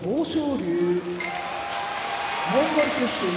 龍モンゴル出身